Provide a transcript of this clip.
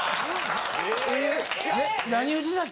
え何言うてたっけ？